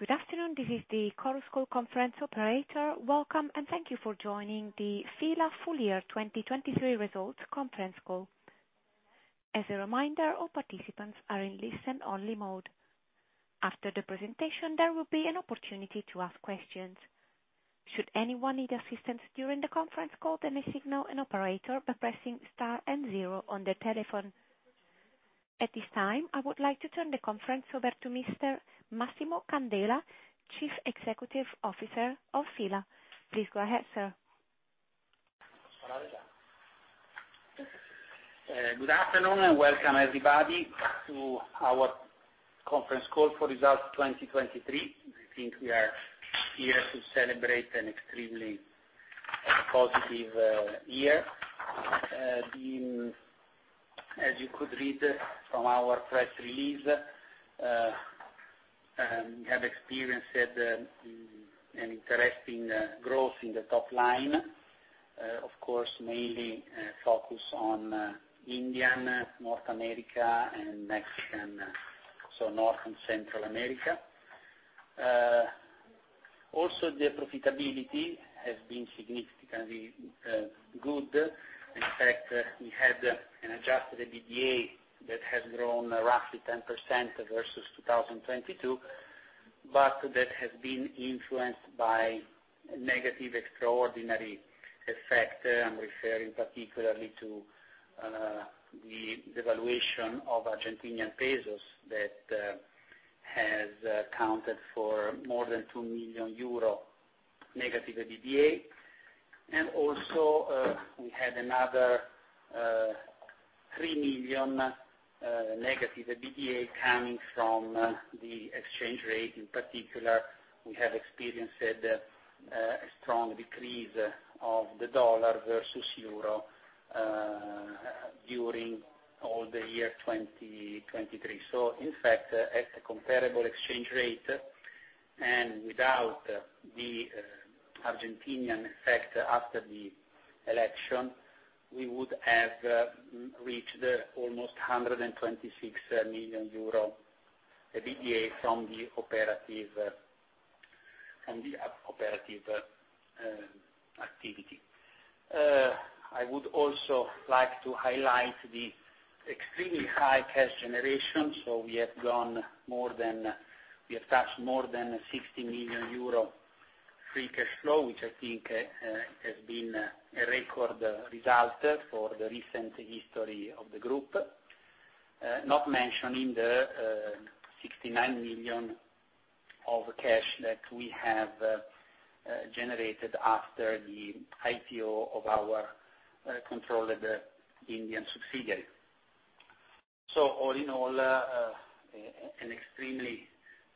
Good afternoon, this is the Chorus Call conference operator. Welcome, and thank you for joining the FILA Full Year 2023 Results Conference Call. As a reminder, all participants are in listen-only mode. After the presentation, there will be an opportunity to ask questions. Should anyone need assistance during the conference call, please signal an operator by pressing star and zero on their telephone. At this time, I would like to turn the conference over to Mr. Massimo Candela, Chief Executive Officer of FILA. Please go ahead, sir. Good afternoon and welcome everybody to our conference call for Results 2023. I think we are here to celebrate an extremely positive year. The, as you could read from our press release, we have experienced an interesting growth in the top line, of course, mainly focused on India, North America, and Mexico, so North and Central America. Also, the profitability has been significantly good. In fact, we had an adjusted EBITDA that has grown roughly 10% versus 2022, but that has been influenced by a negative extraordinary effect. I'm referring particularly to the devaluation of Argentine pesos that has accounted for more than 2 million euro negative EBITDA. And also, we had another 3 million negative EBITDA coming from the exchange rate. In particular, we have experienced a strong decrease of the US dollar versus the euro during all the year 2023. So, in fact, at the comparable exchange rate and without the Argentine effect after the election, we would have reached almost 126 million euro EBITDA from the operative activity. I would also like to highlight the extremely high cash generation. So we have touched more than 60 million euro free cash flow, which I think has been a record result for the recent history of the group, not mentioning the 69 million of cash that we have generated after the IPO of our controlled Indian subsidiary. So all in all, an extremely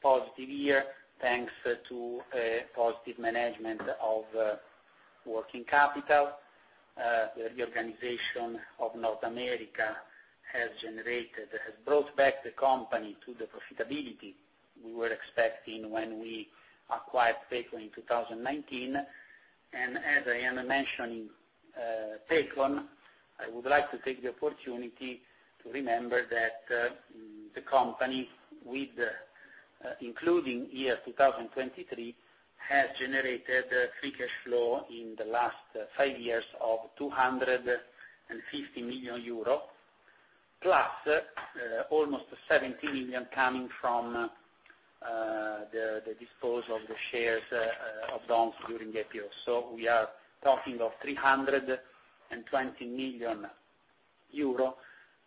positive year thanks to positive management of working capital. The reorganization of North America has brought back the company to the profitability we were expecting when we acquired Pacon in 2019. As I am mentioning, Pacon, I would like to take the opportunity to remember that the company, including year 2023, has generated free cash flow in the last five years of 250 million euro, plus almost 17 million coming from the disposal of the shares of DOMS during the IPO. So we are talking of 320 million euro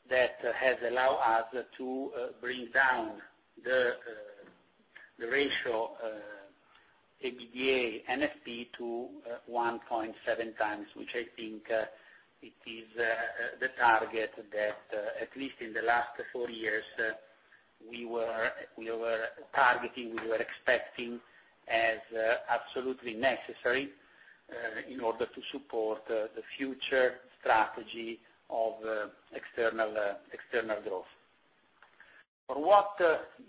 that has allowed us to bring down the ratio EBITDA/NFP to 1.7 times, which I think it is the target that, at least in the last four years, we were targeting we were expecting as absolutely necessary, in order to support the future strategy of external growth. For what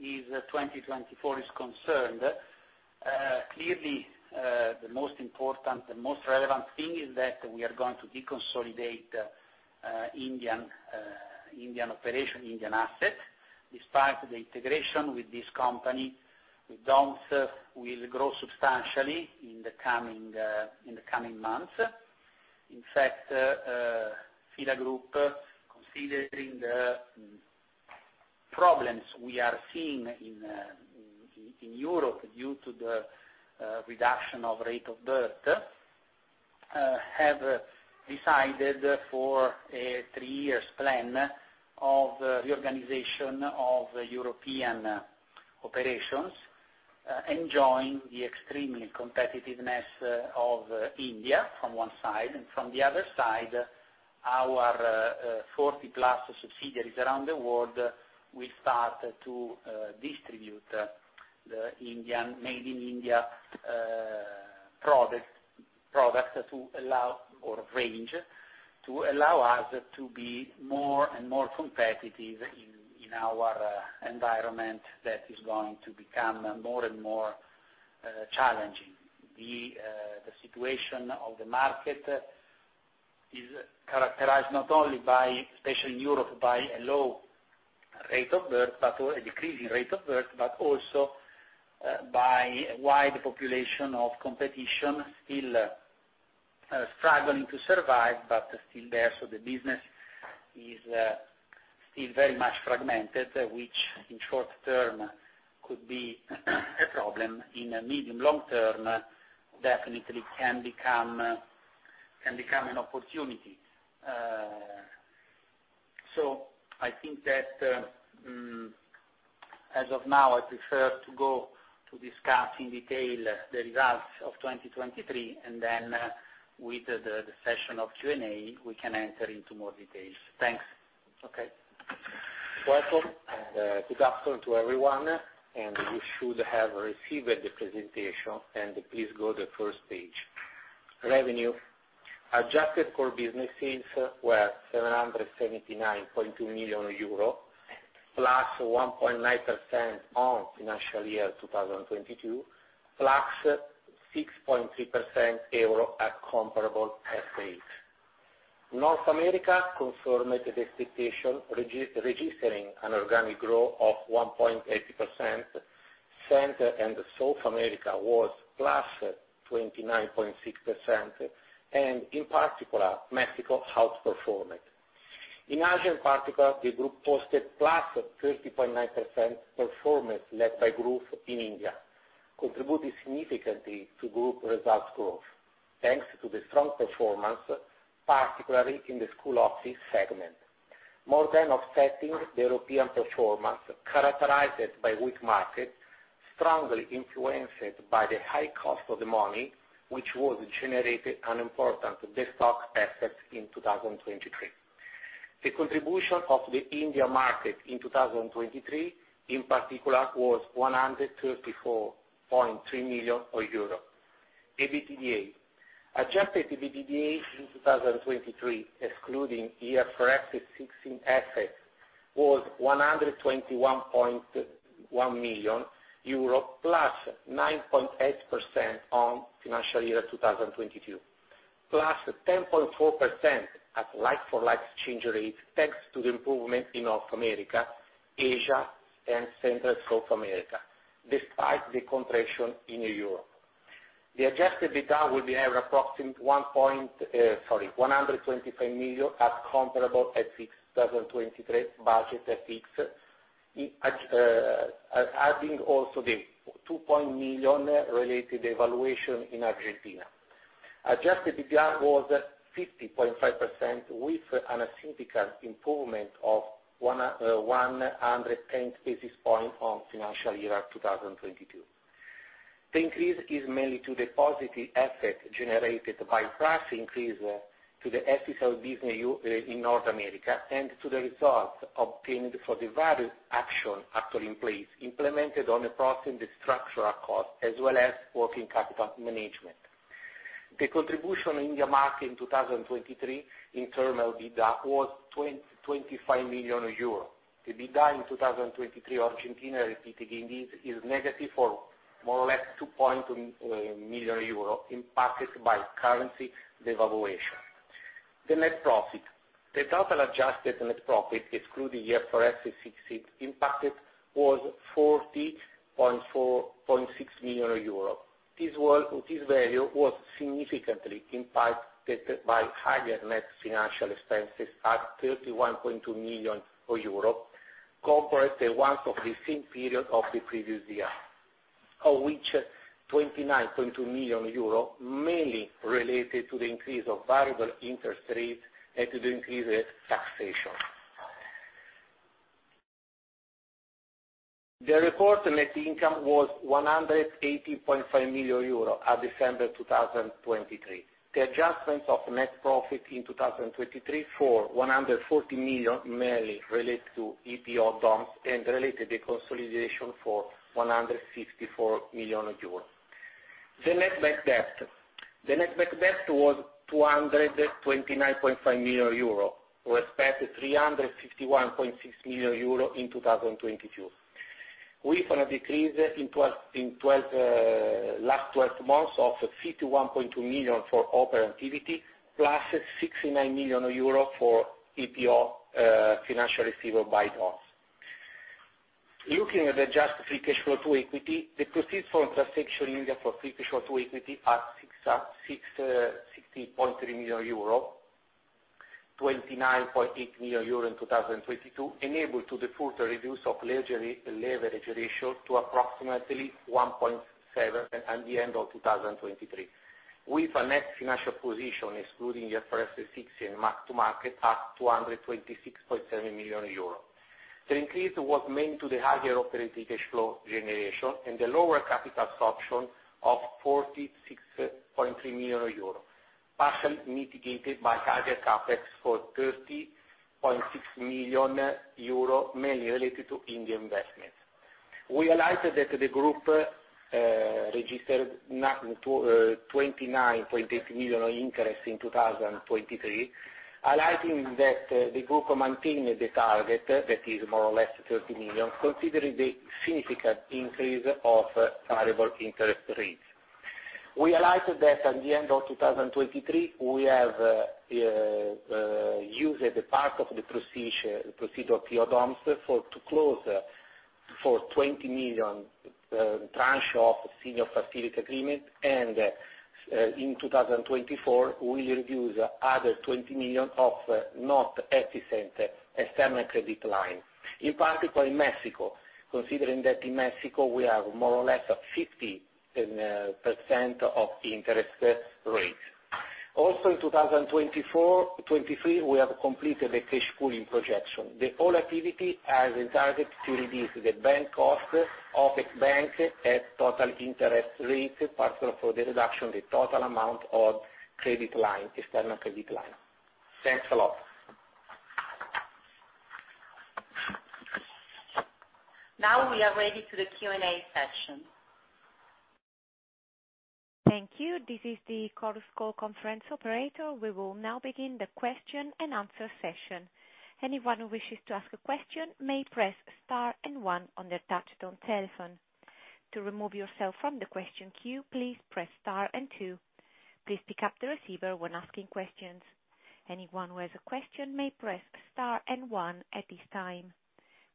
is 2024 concerned, clearly the most important the most relevant thing is that we are going to deconsolidate Indian operation, Indian asset. Despite the integration with this company with DOMS, we'll grow substantially in the coming months. In fact, FILA Group, considering the problems we are seeing in Europe due to the reduction of rate of birth, have decided for a three-year plan of reorganization of European operations, enjoying the extreme competitiveness of India from one side. And from the other side, our 40+ subsidiaries around the world will start to distribute the Indian made in India product to allow our range to allow us to be more and more competitive in our environment that is going to become more and more challenging. The situation of the market is characterized not only by especially in Europe by a low rate of birth but a decreasing rate of birth but also by a wide population of competition still struggling to survive but still there. So the business is still very much fragmented, which in short term could be a problem. In medium-long term, definitely can become an opportunity. So I think that, as of now, I prefer to go to discuss in detail the results of 2023, and then with the session of Q&A, we can enter into more details. Thanks. Okay. Welcome, and good afternoon to everyone. You should have received the presentation, and please go to the first page. Revenue: adjusted core business sales were EUR 779.2 million, +1.9% on financial year 2022, +6.3% at comparable CER. North America confirmed the expectation, registering an organic growth of 1.80%. Central and South America was +29.6%, and in particular, Mexico outperformed. In Asia in particular, the group posted +30.9% performance led by group in India, contributing significantly to group results growth thanks to the strong performance, particularly in the school office segment, more than offsetting the European performance characterized by weak market, strongly influenced by the high cost of the money, which was generating an important destocking effect in 2023. The contribution of the India market in 2023, in particular, was 134.3 million euro. EBITDA: adjusted EBITDA in 2023, excluding IFRS 16 assets, was EUR 121.1 million, +9.8% on financial year 2022, +10.4% at like-for-like exchange rate thanks to the improvement in North America, Asia, and Central and South America, despite the contraction in Europe. The adjusted EBITDA will be at approximately 1.0 sorry, 125 million at comparable FY 2023 budget FY, adding also the 2.0 million related devaluation in Argentina. Adjusted EBITDA was 50.5% with an overall improvement of 110 basis points on financial year 2022. The increase is mainly due to the positive effect generated by price increase in the School business in North America and to the results obtained for the value actions actually in place, implemented in our structural costs as well as working capital management. The contribution of India market in 2023 in terms of EBITDA was 25 million euro. The EBITDA in 2023 in Argentina repeatedly indeed is negative for more or less 2.0 million euro impacted by currency devaluation. The net profit: the total adjusted net profit, excluding IFRS 16, impacted was 40.46 million euros. This value was significantly impacted by higher net financial expenses at 31.2 million euro compared to those of the same period of the previous year, of which 29.2 million euro mainly related to the increase of variable interest rates and to the increase in taxation. The reported net income was 180.5 million euro at December 2023. The adjustments of net profit in 2023 for 140 million mainly related to IPO DOMS and related deconsolidation for 164 million euros. The net bank debt: the net bank debt was 229.5 million euros versus 351.6 million euros in 2022, with a decrease in the last 12 months of 51.2 million for operating activity plus 69 million euro for IPO financial receivable from DOMS. Looking at the adjusted free cash flow to equity, the proceeds from transaction in India for free cash flow to equity at 60.3 million euro, 29.8 million euro in 2022, enabled the further reduction of leverage ratio to approximately 1.7 at the end of 2023, with a net financial position excluding IFRS 16 and mark-to-market at 226.7 million euros. The increase was mainly to the higher operating cash flow generation and the lower capital absorption of 46.3 million euro, partially mitigated by higher capex for 30.6 million euro mainly related to Indian investments. We highlighted that the group, registered 29.8 million in interest in 2023, highlighting that the group maintained the target that is more or less 30 million, considering the significant increase of variable interest rates. We highlighted that at the end of 2023, we have used part of the proceeds from the IPO of DOMS to close a 20 million tranche of Senior Facility Agreement, and in 2024, we'll reduce another 20 million of not efficient external credit line, in particular in Mexico, considering that in Mexico we have more or less 50% interest rates. Also, in 2023-24, we have completed the cash pooling project. The whole activity has been targeted to reduce the bank cost of bank at total interest rates, particularly for the reduction of the total amount of credit line, external credit line. Thanks a lot. Now we are ready for the Q&A session. Thank you. This is the Chorus Call conference operator. We will now begin the question-and-answer session. Anyone who wishes to ask a question may press star and one on their touch-tone telephone. To remove yourself from the question queue, please press star and two. Please pick up the receiver when asking questions. Anyone who has a question may press star and one at this time.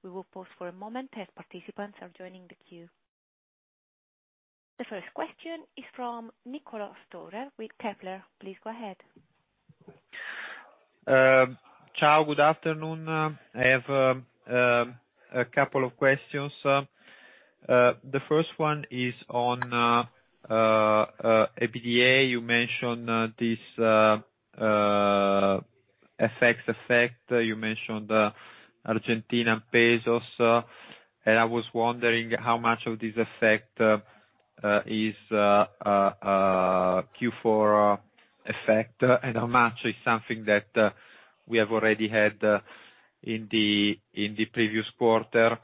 We will pause for a moment as participants are joining the queue. The first question is from Nicolas Storer with Kepler. Please go ahead. Ciao, good afternoon. I have a couple of questions. The first one is on EBITDA. You mentioned this FX effect. You mentioned Argentine pesos, and I was wondering how much of this effect is fourth quarter effect and how much is something that we have already had in the previous quarter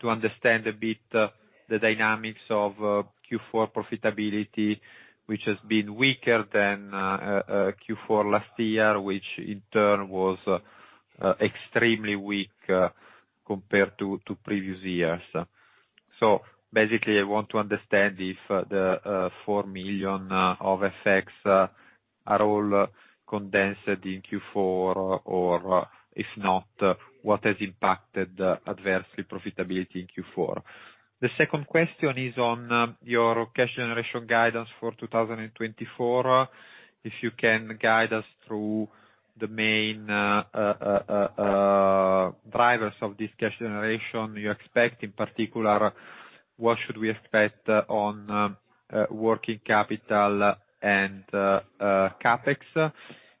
to understand a bit the dynamics of fourth quarter profitability, which has been weaker than fourth quarter last year, which in turn was extremely weak compared to previous years. So basically, I want to understand if the 4 million of FX are all condensed in fourth quarter or if not, what has impacted adversely profitability in fourth quarter. The second question is on your cash generation guidance for 2024. If you can guide us through the main drivers of this cash generation you expect, in particular, what should we expect on working capital and Capex.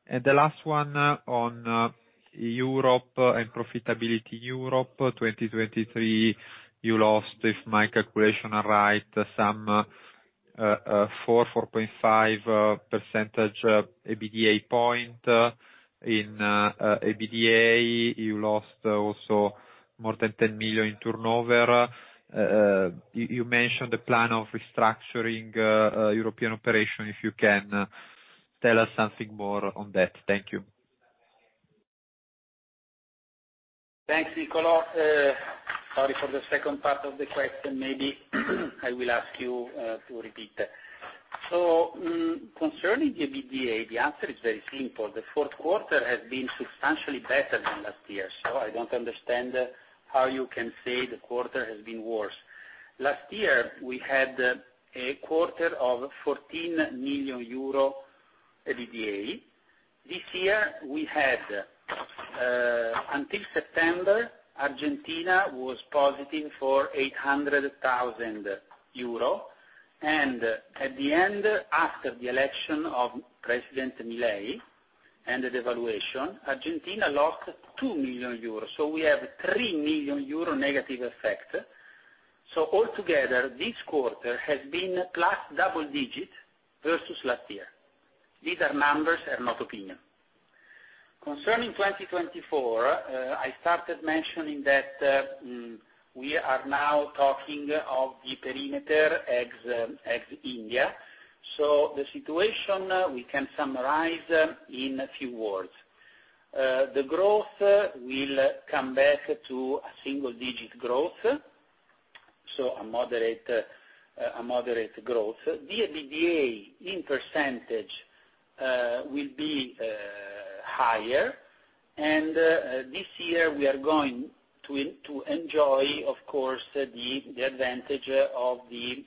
And the last one on Europe and profitability Europe. 2023, you lost, if my calculations are right, some 4-4.5% EBITDA points. In EBITDA, you lost also more than 10 million in turnover. You mentioned the plan of restructuring European operations. If you can tell us something more on that. Thank you. Thanks, Nicolas. Sorry for the second part of the question. Maybe I will ask you to repeat it. So concerning the EBITDA, the answer is very simple. The fourth quarter has been substantially better than last year, so I don't understand how you can say the quarter has been worse. Last year, we had a quarter of 14 million euro EBITDA. This year, we had until September, Argentina was positive for 800,000 euro, and at the end, after the election of President Milei and the devaluation, Argentina lost 2 million euros. So we have 3 million euro negative effect. So altogether, this quarter has been plus double-digit versus last year. These are numbers, not opinions. Concerning 2024, I started mentioning that we are now talking of the perimeter ex India. So the situation we can summarize in a few words. The growth will come back to a single-digit growth, so a moderate growth. The EBITDA in percentage will be higher, and this year, we are going to enjoy, of course, the advantage of the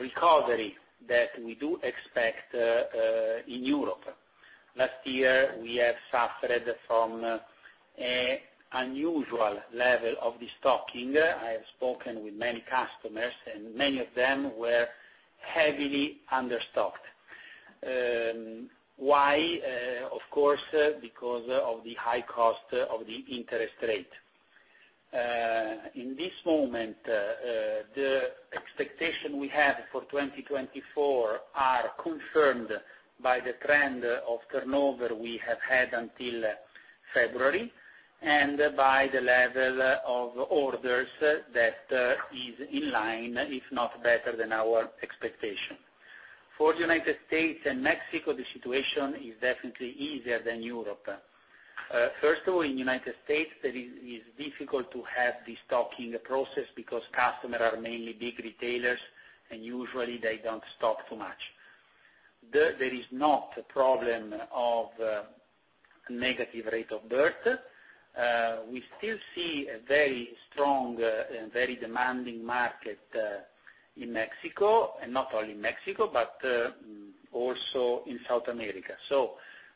recovery that we do expect in Europe. Last year, we have suffered from an unusual level of the stocking. I have spoken with many customers, and many of them were heavily understocked. Why? Of course, because of the high cost of the interest rate. In this moment, the expectations we have for 2024 are confirmed by the trend of turnover we have had until February and by the level of orders that is in line, if not better, than our expectation. For the United States and Mexico, the situation is definitely easier than Europe. First of all, in the United States, it is difficult to have the stocking process because customers are mainly big retailers, and usually, they don't stock too much. There is not a problem of negative birth rate. We still see a very strong and very demanding market in Mexico, and not only Mexico, but also in South America. So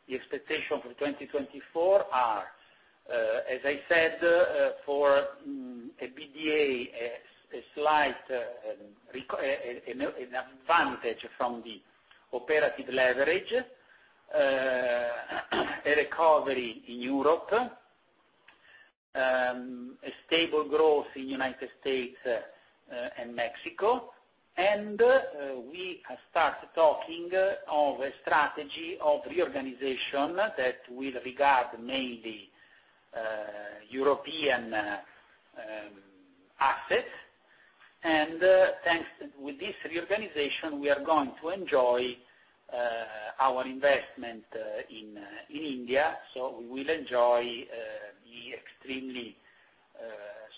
the expectations for 2024 are, as I said, for EBITDA, a slight advantage from the operating leverage, a recovery in Europe, a stable growth in the United States and Mexico, and we have started talking of a strategy of reorganization that will regard mainly European assets. And with this reorganization, we are going to enjoy our investment in India. So, we will enjoy the extremely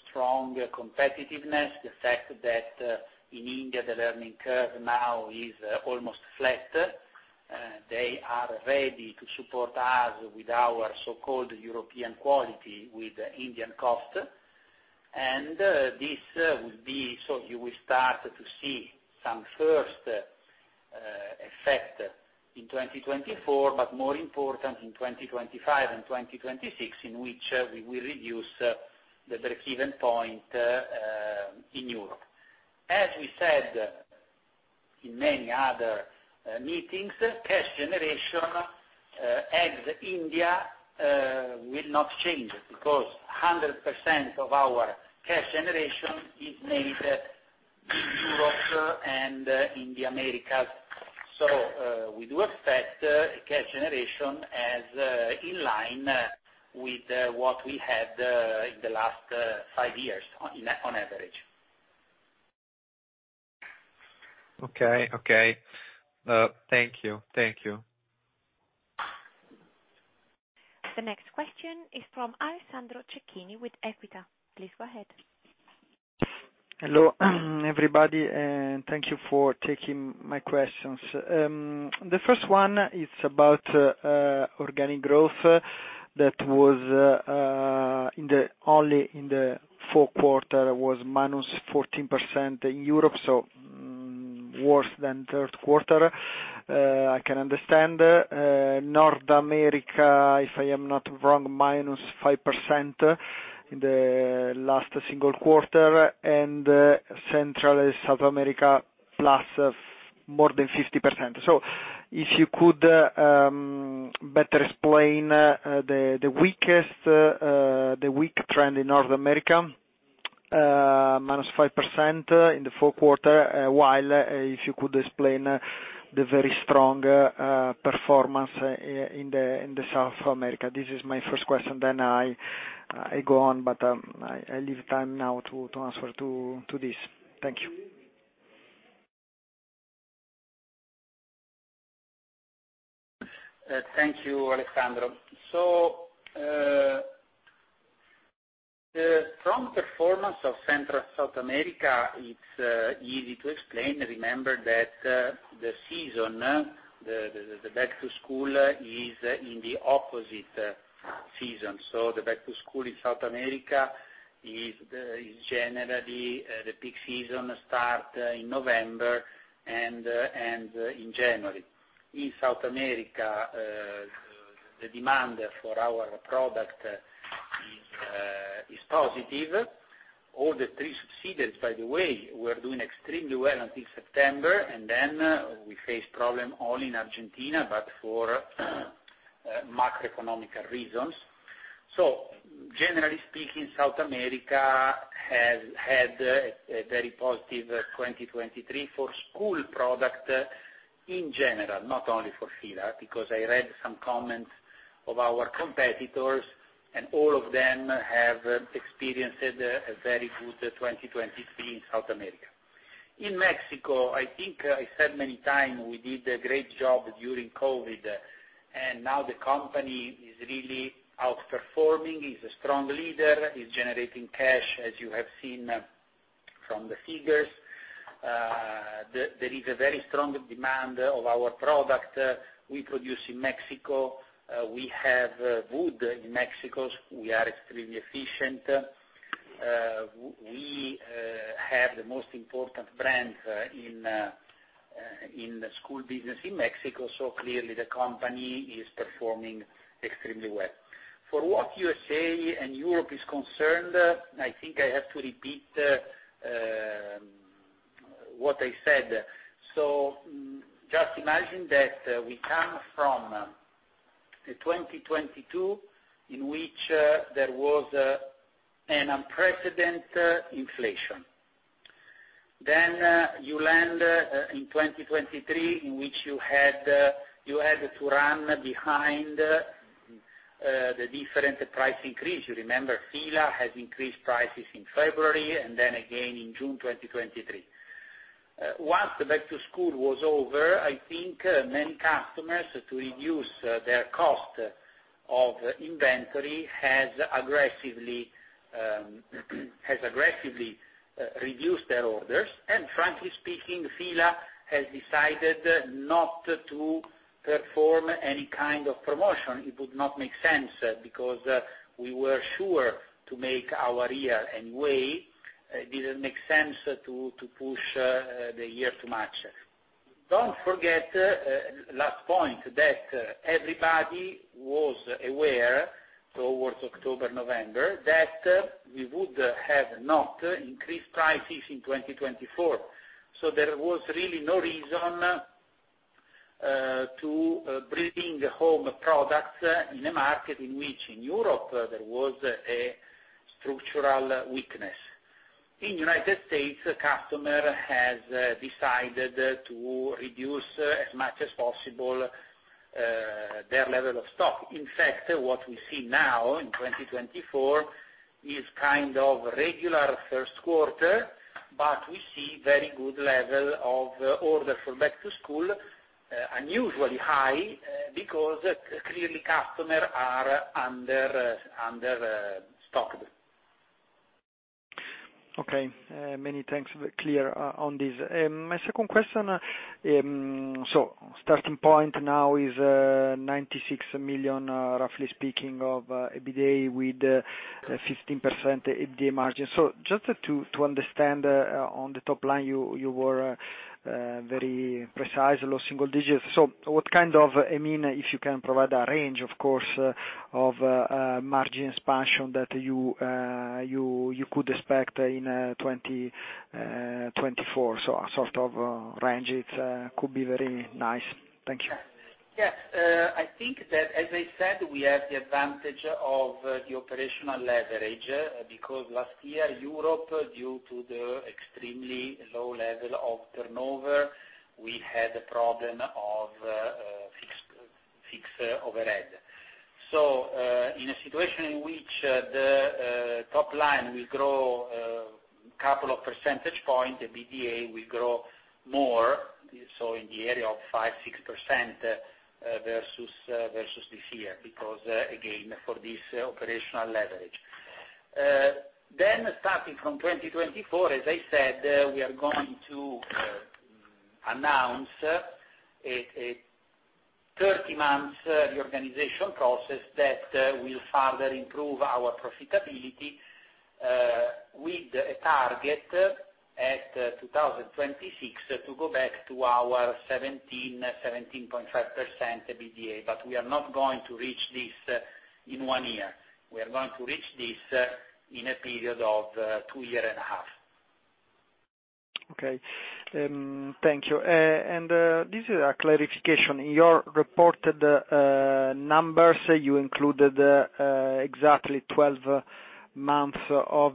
strong competitiveness, the fact that in India, the learning curve now is almost flat. They are ready to support us with our so-called European quality with Indian cost, and this will be so you will start to see some first effect in 2024, but more important in 2025 and 2026, in which we will reduce the break-even point in Europe. As we said in many other meetings, cash generation in India will not change because 100% of our cash generation is made in Europe and in the Americas. So, we do expect cash generation is in line with what we had in the last five years on average. Okay, okay. Thank you. Thank you. The next question is from Alessandro Cecchini with Equita. Please go ahead. Hello, everybody, and thank you for taking my questions. The first one is about organic growth that was only in the fourth quarter was -14% in Europe, so worse than third quarter. I can understand. North America, if I am not wrong, -5% in the last single quarter, and Central and South America +more than 50%. So, if you could better explain the weak trend in North America, -5% in the fourth quarter, while if you could explain the very strong performance in the South America. This is my first question, then I go on, but I leave time now to answer to this. Thank you. Thank you, Alessandro. So from the performance of Central and South America, it's easy to explain. Remember that the season, the Back-to-School, is in the opposite season. So the Back-to-School in South America is generally the peak season starts in November and in January. In South America, the demand for our product is positive. All the three subsidiaries, by the way, were doing extremely well until September, and then we faced problems only in Argentina but for macroeconomic reasons. So generally speaking, South America has had a very positive 2023 for school product in general, not only for FILA because I read some comments of our competitors, and all of them have experienced a very good 2023 in South America. In Mexico, I think I said many times we did a great job during COVID, and now the company is really outperforming. It's a strong leader. It's generating cash, as you have seen from the figures. There is a very strong demand of our product. We produce in Mexico. We have wood in Mexico. We are extremely efficient. We have the most important brand in the school business in Mexico, so clearly, the company is performing extremely well. For what USA and Europe is concerned, I think I have to repeat what I said. So just imagine that we come from 2022 in which there was an unprecedented inflation. Then you land in 2023 in which you had to run behind the different price increases. You remember FILA has increased prices in February and then again in June 2023. Once the Back-to-School was over, I think many customers, to reduce their cost of inventory, have aggressively reduced their orders. And frankly speaking, FILA has decided not to perform any kind of promotion. It would not make sense because we were sure to make our year anyway. It didn't make sense to push the year too much. Don't forget the last point that everybody was aware, towards October, November, that we would have not increased prices in 2024. So, there was really no reason to bring home products in a market in which in Europe there was a structural weakness. In the United States, the customer has decided to reduce as much as possible their level of stock. In fact, what we see now in 2024 is kind of regular first quarter, but we see a very good level of orders for back-to-school, unusually high because clearly, customers are understocked. Okay. Many thanks for being clear on this. My second question, so starting point now is 96 million, roughly speaking, of EBITDA with 15% EBITDA margin. So just to understand, on the top line, you were very precise, low single digits. So, what kind of I mean, if you can provide a range, of course, of margin expansion that you could expect in 2024, so a sort of range, it could be very nice. Thank you. Yes. I think that, as I said, we have the advantage of the operational leverage because last year, Europe, due to the extremely low level of turnover, we had a problem of fixed overhead. So in a situation in which the top line will grow a couple of percentage points, EBITDA will grow more, so in the area of 5% to 6% versus this year because, again, for this operational leverage. Then starting from 2024, as I said, we are going to announce a 30-month reorganization process that will further improve our profitability with a target at 2026 to go back to our 17% to 17.5% EBITDA, but we are not going to reach this in one year. We are going to reach this in a period of two years and a half. Okay. Thank you. This is a clarification. In your reported numbers, you included exactly 12 months of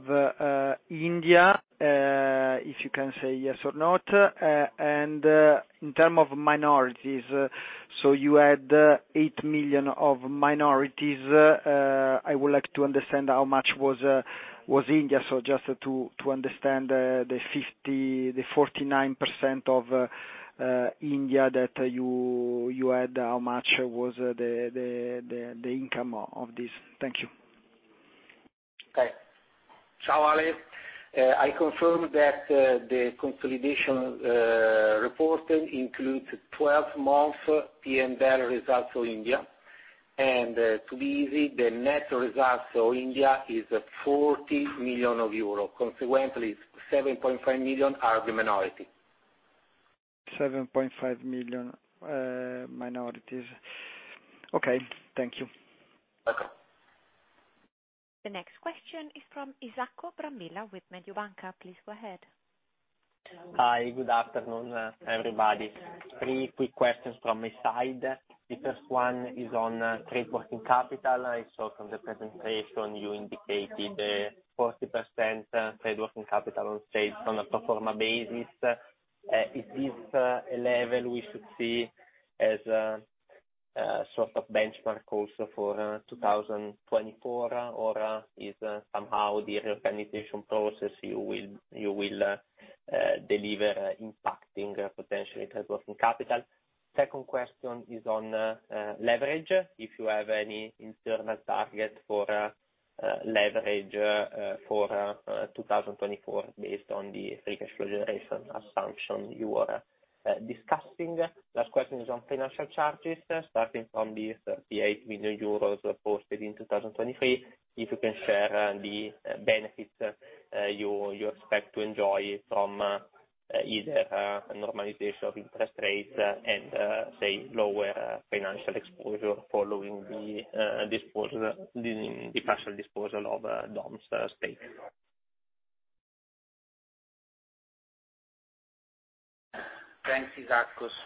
India, if you can say yes or not, and in terms of minorities, so you had 8 million of minorities. I would like to understand how much was India, so just to understand the 49% of India that you had, how much was the income of this? Thank you. Okay. So, Ali, I confirm that the consolidation report includes 12-month P&L results for India. To be easy, the net results for India is 40 million euro. Consequently, 7.5 million euros are the minority. 7.5 million minorities. Okay. Thank you. Welcome. The next question is from Isacco Brambilla with Mediobanca. Please go ahead. Hi. Good afternoon, everybody. Three quick questions from my side. The first one is on trade working capital. I saw from the presentation, you indicated 40% trade working capital on trade on a pro forma basis. Is this a level we should see as a sort of benchmark also for 2024, or is somehow the reorganization process you will deliver impacting potentially trade working capital? Second question is on leverage, if you have any internal target for leverage for 2024 based on the free cash flow generation assumption you were discussing? Last question is on financial charges, starting from the 38 million euros posted in 2023, if you can share the benefits you expect to enjoy from either normalization of interest rates and, say, lower financial exposure following the partial disposal of DOMS's stake? Thanks, Isacco.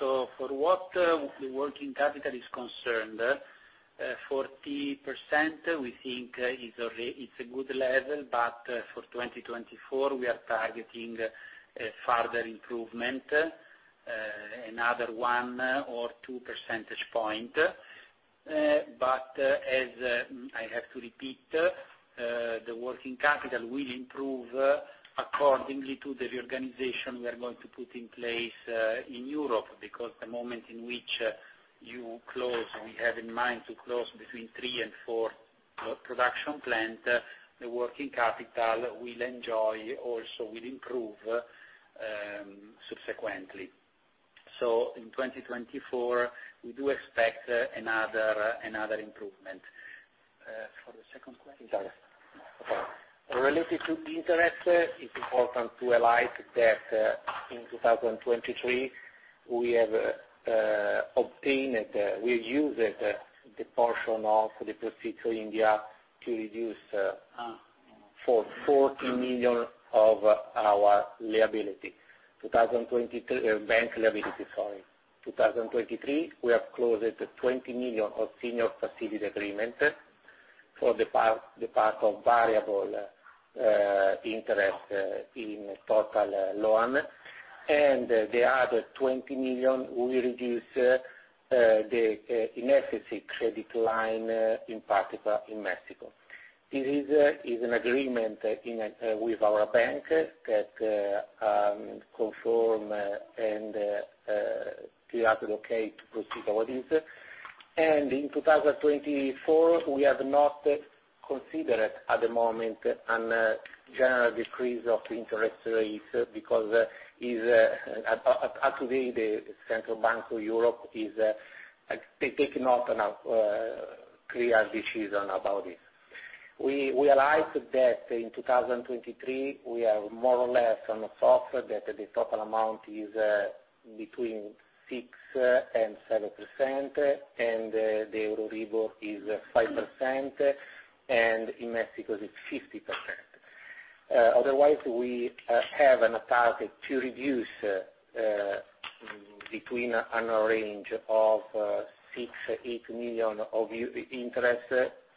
So, for what the working capital is concerned, 40%, we think it's a good level, but for 2024, we are targeting further improvement, another one or two percentage points. But as I have to repeat, the working capital will improve accordingly to the reorganization we are going to put in place in Europe because the moment in which you close, we have in mind to close between three and four production plants, the working capital will enjoy also will improve subsequently. So, in 2024, we do expect another improvement. For the second question. Sorry. Sorry. Related to interest, it's important to highlight that in 2023, we have obtained we used the portion of the profit for India to reduce 40 million of our liability. Bank liability, sorry. 2023, we have closed 20 million of Senior Facility Agreements for the part of variable interest in total loan, and the other 20 million, we reduce the inefficiency credit line in particular in Mexico. This is an agreement with our bank that confirms and we have to look at to proceed with this. In 2024, we have not considered at the moment a general decrease of interest rates because, to date, the Central Bank of Europe is they take not a clear decision about this. We highlight that in 2023, we are more or less on the soft that the total amount is between 6% to 7%, and the Euribor is 5%, and in Mexico, it's 50%. Otherwise, we have a target to reduce between a range of 6 to 8 million of interest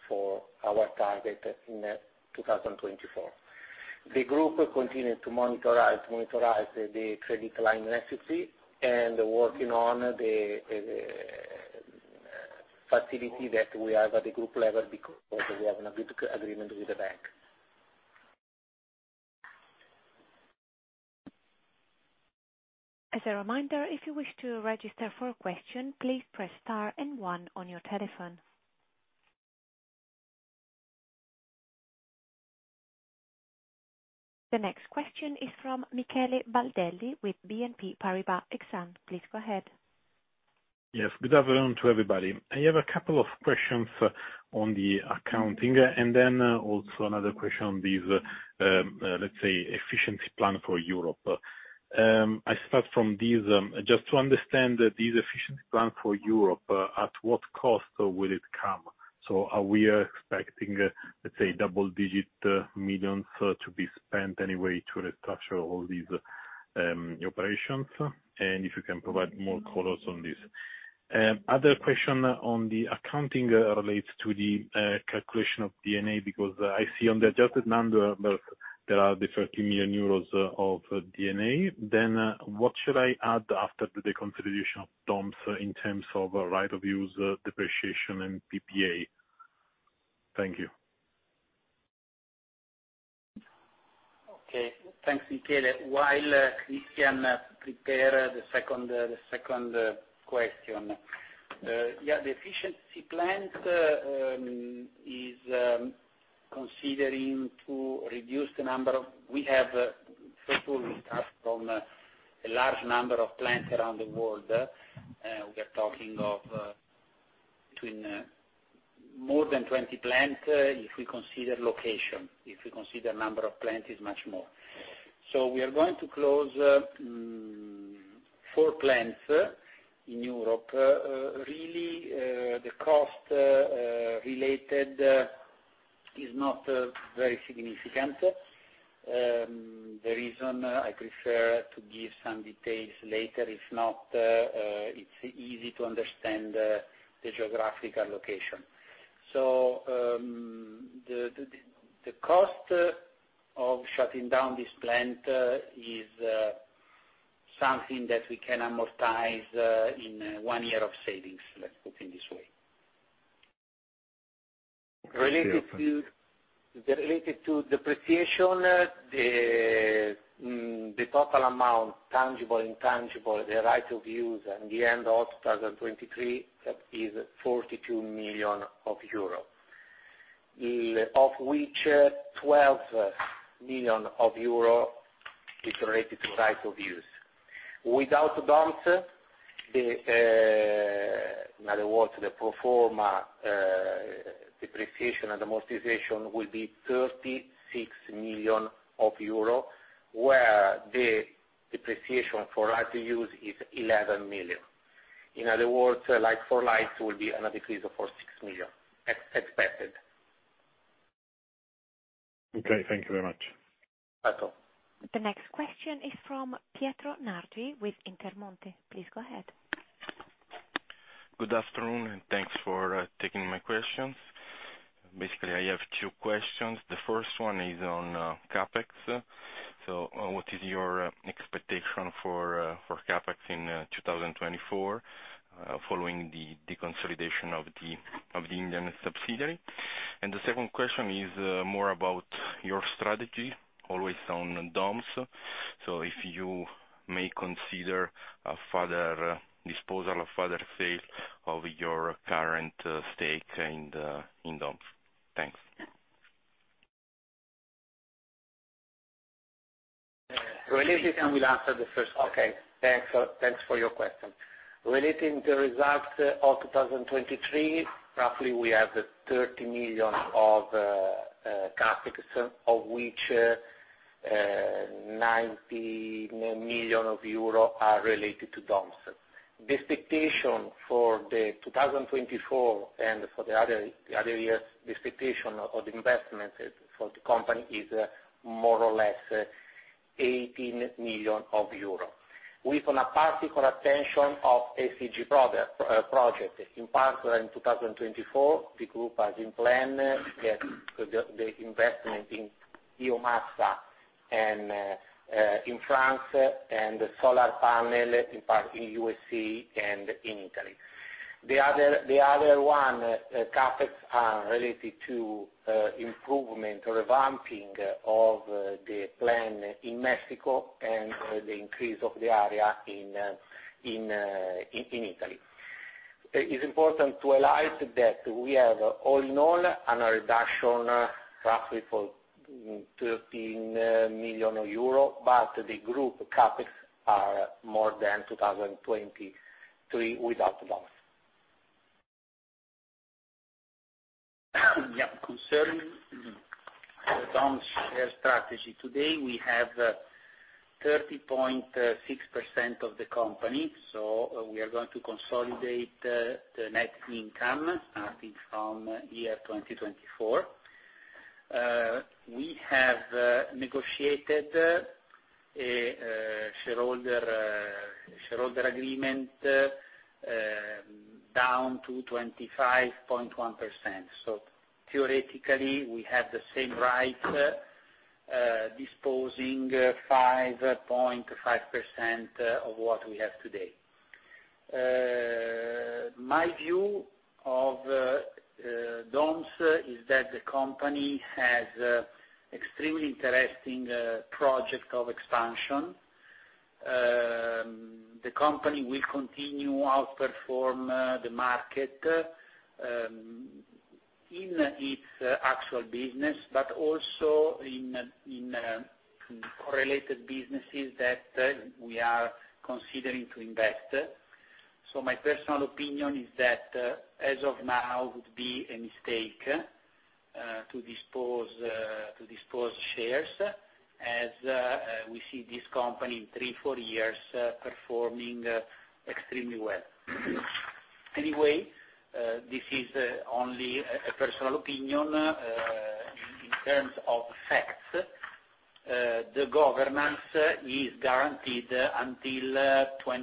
for our target in 2024. The group continues to monitor the credit line efficiency and working on the facility that we have at the group level because we have a good agreement with the bank. As a reminder, if you wish to register for a question, please press star and one on your telephone. The next question is from Michele Baldelli with BNP Paribas Exane. Please go ahead. Yes. Good afternoon to everybody. I have a couple of questions on the accounting and then also another question on this, let's say, efficiency plan for Europe. I start from this. Just to understand this efficiency plan for Europe, at what cost will it come? So, are we expecting, let's say, EUR double-digit millions to be spent anyway to restructure all these operations? And if you can provide more colors on this. Other question on the accounting relates to the calculation of EBITDA because I see on the adjusted number, there are the 30 million euros of EBITDA. Then what should I add after the consolidation of DOMS in terms of right of use, depreciation, and PPA? Thank you. Okay. Thanks, Michele. While Cristian prepares the second question. Yeah, the efficiency plan is considering to reduce the number of we have. First of all, we start from a large number of plants around the world. We are talking of more than 20 plants if we consider location. If we consider number of plants, it's much more. So, we are going to close four plants in Europe. Really, the cost-related is not very significant. The reason I prefer to give some details later, if not, it's easy to understand the geographical location. So, the cost of shutting down this plant is something that we can amortize in one year of savings, let's put it this way. Related to depreciation, the total amount tangible and intangible, the right of use, and the end of 2023 is 42 million euro, of which 12 million euro is related to right of use. Without DOMS, in other words, the former, depreciation and amortization will be 36 million euro, where the depreciation for right of use is 11 million. In other words, for rights, it will be another decrease of 46 million expected. Okay. Thank you very much. Welcome. The next question is from Pietro Nardi with Intermonte. Please go ahead. Good afternoon and thanks for taking my questions. Basically, I have two questions. The first one is on CapEx. So, what is your expectation for CapEx in 2024 following the consolidation of the Indian subsidiary? And the second question is more about your strategy, always on DOMS. So, if you may consider a further disposal, a further sale of your current stake in DOMS. Thanks. Alright, and we'll answer the first question. Thanks for your question. Relating to results of 2023, roughly, we have 30 million of CapEx, of which 90 million euro are related to DOMS. This indication for the 2024 and for the other years, this indication of the investments for the company is more or less 18 million euro. With a particular attention to ESG projects, in particular, in 2024, the group has in plan to get the investment in biomass in France and solar panels in part in USA and in Italy. The other one, CapEx are related to improvement or revamping of the plant in Mexico and the increase of the area in Italy. It's important to highlight that we have, all in all, a reduction roughly of 13 million euro, but the group CapEx are more than 2023 without DOMS. Yeah. Concerning DOMS's share strategy today, we have 30.6% of the company, so we are going to consolidate the net income starting from year 2024. We have negotiated a shareholder agreement down to 25.1%. So theoretically, we have the same rights disposing 5.5% of what we have today. My view of DOMS is that the company has an extremely interesting project of expansion. The company will continue to outperform the market in its actual business, but also in correlated businesses that we are considering to invest. So, my personal opinion is that, as of now, it would be a mistake to dispose shares as we see this company in three, four years performing extremely well. Anyway, this is only a personal opinion. In terms of facts, the governance is guaranteed until 25.1%,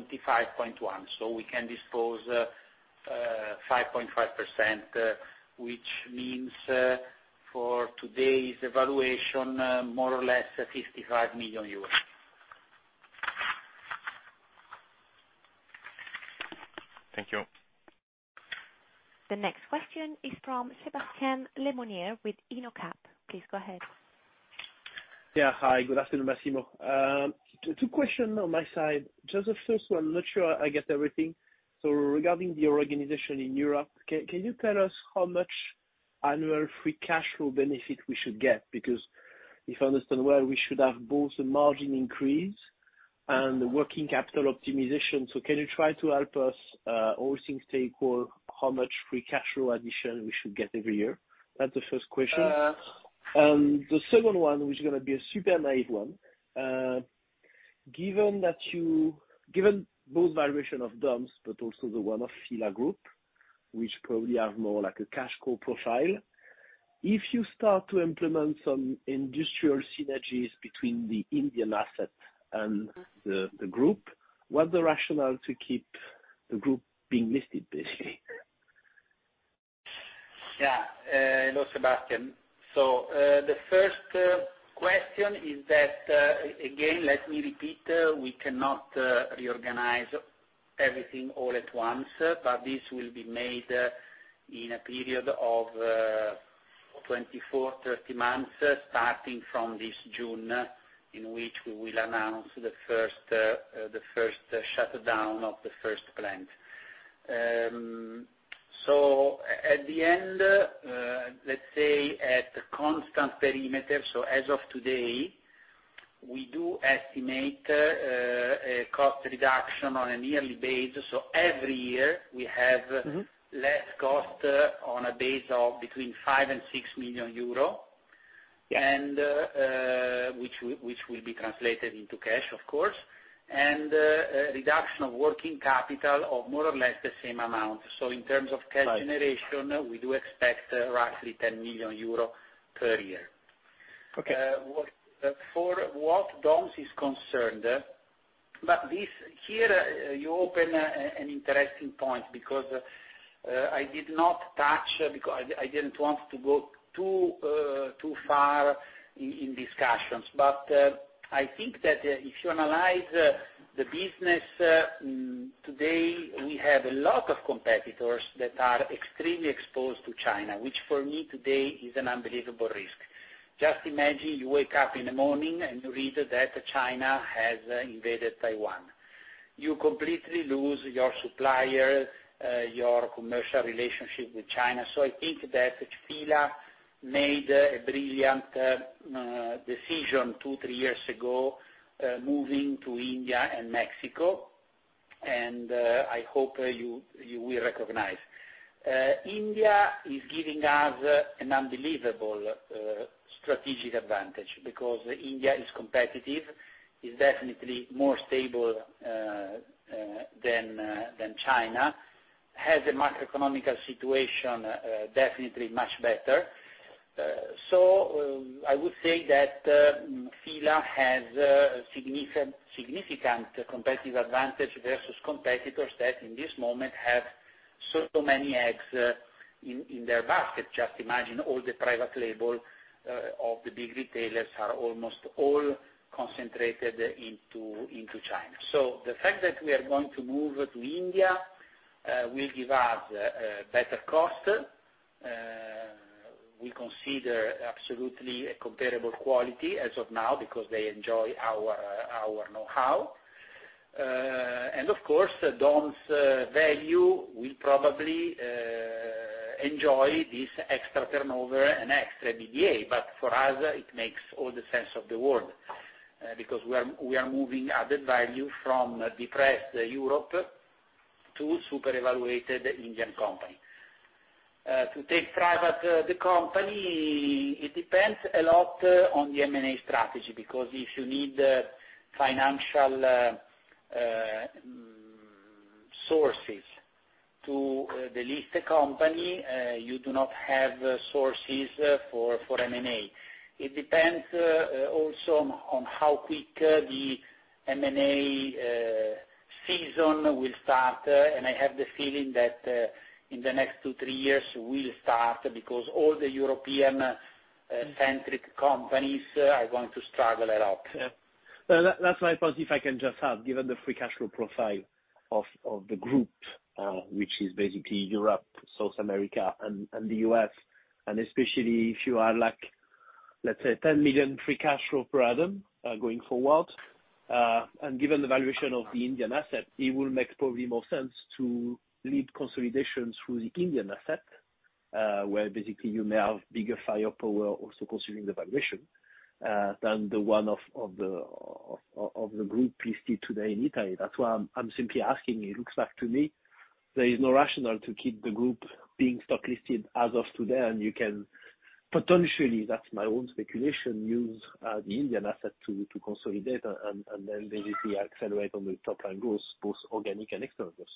so we can dispose 5.5%, which means, for today's evaluation, more or less EUR 55 million. Thank you. The next question is from Sébastien Lemonnier with Inocap. Please go ahead. Yeah. Hi. Good afternoon, Massimo. Two questions on my side. Just the first one, I'm not sure I get everything. So, regarding the organization in Europe, can you tell us how much annual free cash flow benefit we should get? Because if I understand well, we should have both a margin increase and a working capital optimization. So, can you try to help us, Holdings stakeholder, how much free cash flow addition we should get every year? That's the first question. And the second one, which is going to be a super naive one, given both valuation of DOMS but also the one of Fila Group, which probably have more like a cash core profile, if you start to implement some industrial synergies between the Indian assets and the group, what's the rationale to keep the group being listed, basically? Yeah. Hello, Sébastien. So the first question is that, again, let me repeat, we cannot reorganize everything all at once, but this will be made in a period of 24, 30 months starting from this June in which we will announce the first shutdown of the first plant. So at the end, let's say at the constant perimeter, so as of today, we do estimate a cost reduction on a yearly basis. So, every year, we have less cost on a base of between 5 million and 6 million euro, which will be translated into cash, of course, and reduction of working capital of more or less the same amount. So, in terms of cash generation, we do expect roughly 10 million euro per year. For what DOMS is concerned, but here, you open an interesting point because I did not touch because I didn't want to go too far in discussions. But I think that if you analyze the business today, we have a lot of competitors that are extremely exposed to China, which for me today is an unbelievable risk. Just imagine you wake up in the morning and you read that China has invaded Taiwan. You completely lose your supplier, your commercial relationship with China. So I think that Fila made a brilliant decision two, three years ago moving to India and Mexico, and I hope you will recognize. India is giving us an unbelievable strategic advantage because India is competitive, is definitely more stable than China, has a macroeconomic situation definitely much better. So I would say that FILA has significant competitive advantage versus competitors that, in this moment, have so many eggs in their basket. Just imagine all the private label of the big retailers are almost all concentrated into China. So the fact that we are going to move to India will give us better cost. We consider absolutely a comparable quality as of now because they enjoy our know-how. And of course, DOMS value will probably enjoy this extra turnover and extra EBITDA, but for us, it makes all the sense of the world because we are moving added value from depressed Europe to super-evaluated Indian company. To take private, the company, it depends a lot on the M&A strategy because if you need financial sources to delist a company, you do not have sources for M&A. It depends also on how quick the M&A season will start, and I have the feeling that in the next 2-3 years, it will start because all the European-centric companies are going to struggle a lot. Yeah. That's my point if I can just add, given the free cash flow profile of the group, which is basically Europe, South America, and the US, and especially if you are, let's say, 10 million free cash flow per add-on going forward, and given the valuation of the Indian asset, it will make probably more sense to lead consolidations through the Indian asset where, basically, you may have bigger firepower also considering the valuation than the one of the group listed today in Italy. That's why I'm simply asking. It looks like to me there is no rationale to keep the group being stock-listed as of today, and you can potentially - that's my own speculation - use the Indian asset to consolidate and then basically accelerate on the top-line growth, both organic and external growth.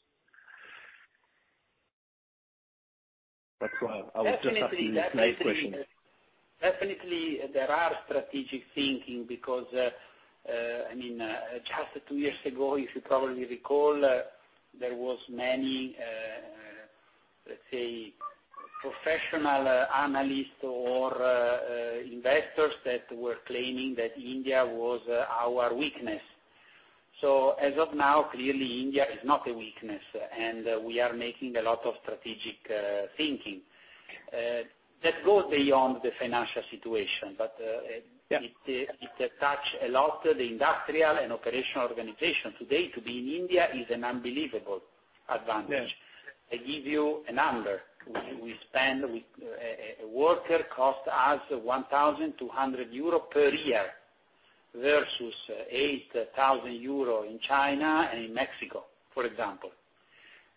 That's why I was just asking this naive question. Definitely, there are strategic thinking because, I mean, just two years ago, if you probably recall, there was many, let's say, professional analysts or investors that were claiming that India was our weakness. So as of now, clearly, India is not a weakness, and we are making a lot of strategic thinking. That goes beyond the financial situation, but it touches a lot the industrial and operational organization. Today, to be in India is an unbelievable advantage. I give you a number. A worker costs us 1,200 euro per year versus 8,000 euro in China and in Mexico, for example.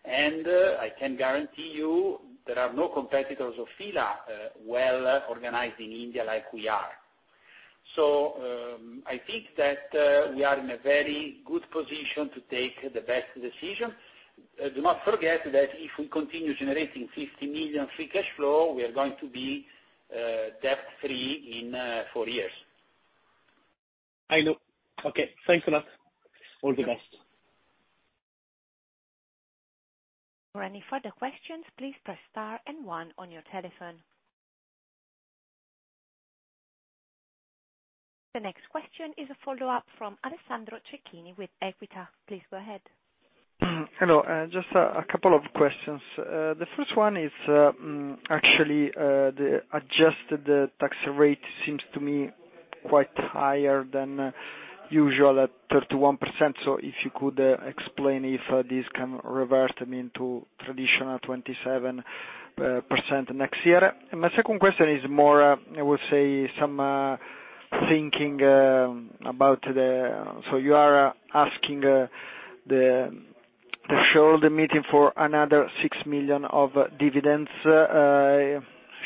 And I can guarantee you there are no competitors of FILA well organized in India like we are. So, I think that we are in a very good position to take the best decision. Do not forget that if we continue generating 50 million free cash flow, we are going to be debt-free in four years. I know. Okay. Thanks a lot. All the best. For any further questions, please press star and one on your telephone. The next question is a follow-up from Alessandro Cecchini with Equita. Please go ahead. Hello. Just a couple of questions. The first one is, actually, the adjusted tax rate seems to me quite higher than usual at 31%, so if you could explain if this can revert into traditional 27% next year. My second question is more, I would say, some thinking about the so you are asking the shareholder meeting for another 6 million of dividends.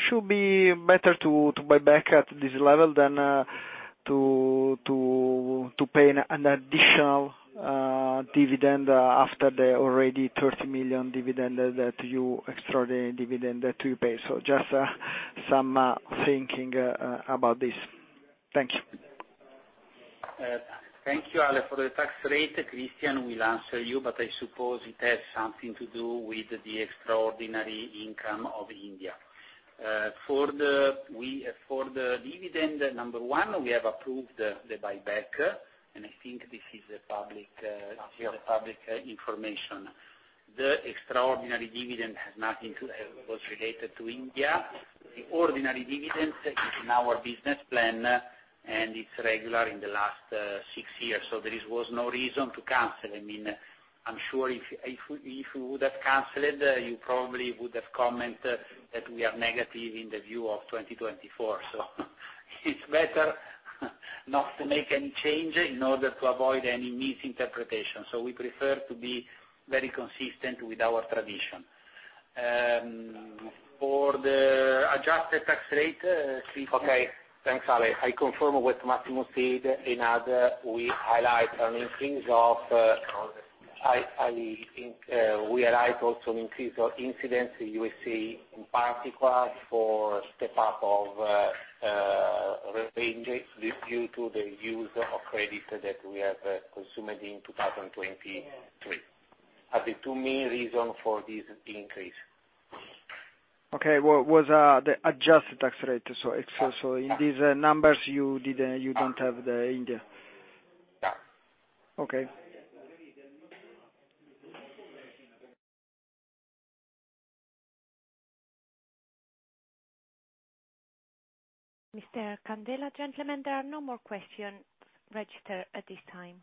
Should it be better to buy back at this level than to pay an additional dividend after the already 30 million dividend that you extraordinary dividend that you pay? Just some thinking about this. Thank you. Thank you, Ale. For the tax rate, Cristian, we'll answer you, but I suppose it has something to do with the extraordinary income of India. For the dividend, number one, we have approved the buyback, and I think this is public information. The extraordinary dividend has nothing to do. It was related to India. The ordinary dividend is in our business plan, and it's regular in the last six years, so there was no reason to cancel. I mean, I'm sure if we would have canceled, you probably would have commented that we are negative in the view of 2024. So, it's better not to make any change in order to avoid any misinterpretation. So, we prefer to be very consistent with our tradition. For the adjusted tax rate, Cristian. Okay. Thanks, Ale. I confirm with Massimo Candela. We highlight also an increase in indebtedness in the USA in particular for step-up of range due to the use of credit that we have consumed in 2023. These are the two main reasons for this increase. Okay. What was the adjusted tax rate? So, in these numbers, you don't have the India? Yeah. Okay. Mr. Candela, gentlemen, there are no more questions registered at this time.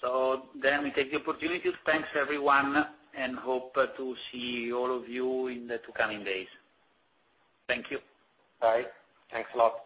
So, then we take the opportunity. Thanks, everyone, and hope to see all of you in the two coming days. Thank you. Bye. Thanks a lot.